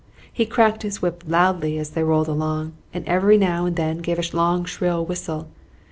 He cracked his whip loudly as they rolled along, and every now and then gave a long shrill whistle.